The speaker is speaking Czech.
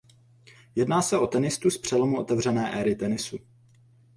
Jedná se o tenistu z přelomu otevřené éry tenisu.